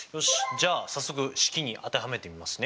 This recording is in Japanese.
じゃあ早速式に当てはめてみますね。